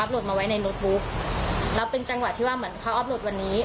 แล้วเป็นจังหวะที่ว่าเหมือนเขาออฟโหลดวันนี้